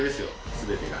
全てが。